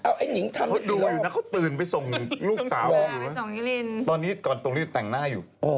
ไอ้นิงทำเขาดูอยู่นะเขาตื่นไปส่งลูกสาวอยู่นะตอนนี้ก่อนตรงนี้แต่งหน้าอยู่